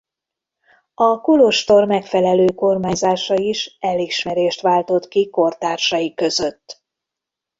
A kolostor megfelelő kormányzása is elismerést váltott ki kortársai között.